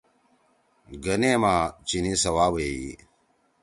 گنے ما چینی سوابئی۔